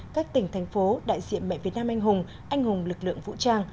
các tỉnh thành phố đại diện mẹ việt nam anh hùng anh hùng lực lượng vũ trang